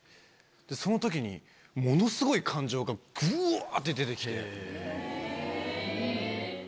そのときにものスゴい感情がブワって出てきて。